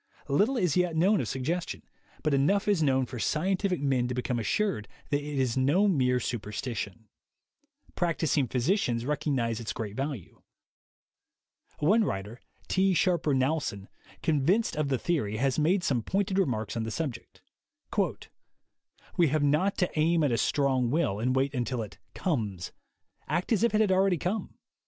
Little is yet known of suggestion, but enough is known for scientific men to become 58 THE WAY TO WILL POWER assured that it is no mere superstition; practising physicians recognize its great value. One writer, T. Sharper Knowlson, convinced of the theory, has made some pointed remarks on the subject: "We have not to aim at a strong will, and wait until it 'comes.' Act as if it had already come